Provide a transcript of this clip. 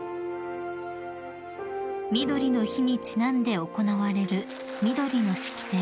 ［みどりの日にちなんで行われるみどりの式典］